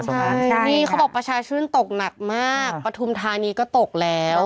ใช่ค่ะเดี๋ยวนี้เขาบอกประชาชื่นตกหนักมากประถูมธานีก็ตกแล้ว